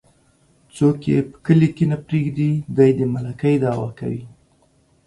څوک يې په کلي کې نه پرېږدي ،دى د ملکۍ دعوه کوي.